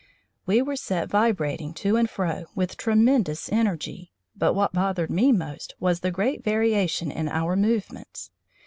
We were set vibrating to and fro with tremendous energy, but what bothered me most was the great variation in our movements.